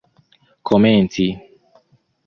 komenci